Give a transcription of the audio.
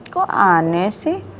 kok aneh sih